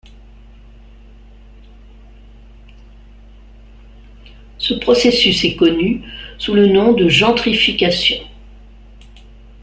Ce processus est connu sous le nom de gentrification.